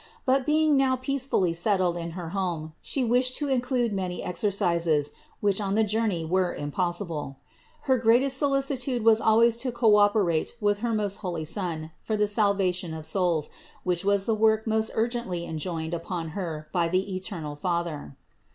But being now peace fully settled in her home She wished to include many exercises, which on the journey were impossible. Her greatest solicitude was always to co operate with her most holy Son for the salvation of souls which was the work 606 CITY OF GOD most urgently enjoined upon Her by the eternal Father.